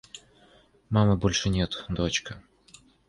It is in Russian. Мамы больше нет, дочка.